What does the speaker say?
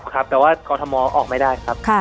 ครับแต่ว่ากรทมออกไม่ได้ครับ